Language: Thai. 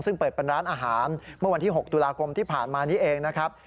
ซึ่งเปิดเป็นร้านอาหารเมื่อวันที่๖ตุลาคมที่ผ่านมานี้เองนะครับ